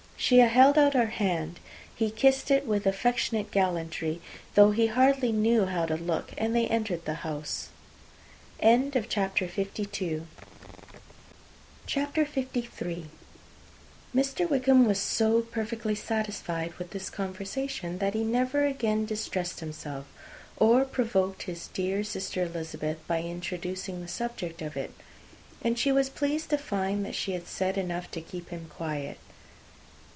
She held out her hand: he kissed it with affectionate gallantry, though he hardly knew how to look, and they entered the house. [Illustration: "Mr. Darcy with him." ] CHAPTER LIII. Mr. Wickham was so perfectly satisfied with this conversation, that he never again distressed himself, or provoked his dear sister Elizabeth, by introducing the subject of it; and she was pleased to find that she had said enough to keep him quiet.